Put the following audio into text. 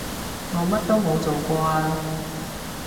我乜都冇做過啊